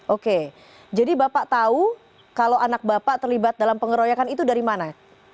oke jadi bapak tahu kalau anak bapak terlibat dalam pengeroyokan itu dari mana